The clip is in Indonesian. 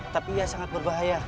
tapi ia sangat berbahaya